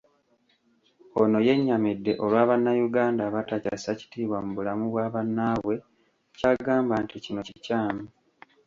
Ono yennyamidde olwa bannayuganda abatakyasa kitiibwa mu bulamu bwa bannaabwe ky’agamba nti kino kikyamu.